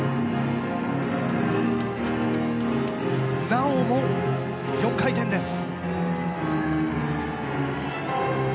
なおも４回転です。